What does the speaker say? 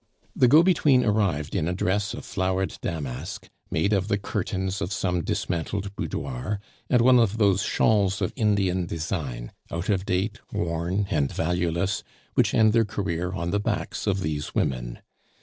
The go between arrived in a dress of flowered damask, made of the curtains of some dismantled boudoir, and one of those shawls of Indian design out of date, worn, and valueless, which end their career on the backs of these women.